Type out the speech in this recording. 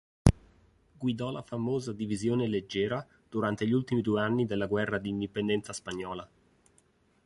Guidò la famosa divisione leggera durante gli ultimi due anni della guerra d'indipendenza spagnola.